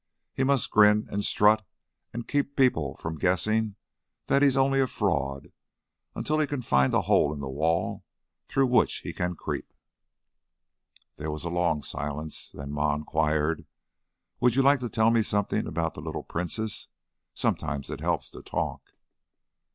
He must grin and strut and keep people from guessing that he's only a fraud until he can find a hole in the wall through which he can creep." There was a long silence, then Ma inquired: "Would you like to tell me something about the little princess? Sometimes it helps, to talk."